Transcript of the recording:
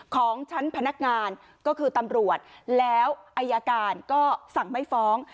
ของชั้นพนักงานก็คือตำรวจแล้วอายการก็สั่งไม่ฟ้อง